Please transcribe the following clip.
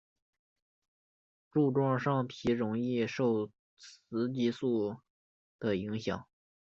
柱状上皮容易受雌激素的影响。